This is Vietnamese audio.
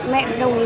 mẹ đồng ý